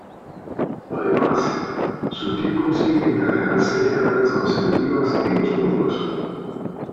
Además, Sutil consigue encadenar seis carreras consecutivas en los puntos.